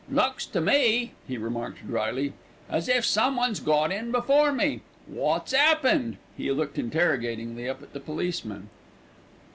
"Looks to me," he remarked drily, "as if someone's got in before me. Wot's 'appened?" He looked interrogatingly up at the policeman.